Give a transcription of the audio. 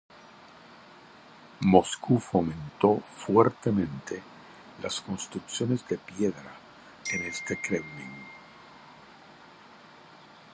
Moscú fomentó fuertemente las construcciones de piedra en este kremlin.